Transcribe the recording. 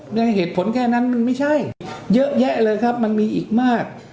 ด้วยเหตุผลแค่นั้นมันไม่ใช่เยอะแยะเลยครับมันมีอีกมาก